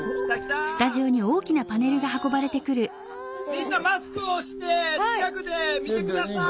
みんなマスクをして近くで見て下さい！